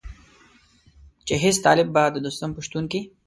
چې هېڅ طالب به د دوستم په شتون کې.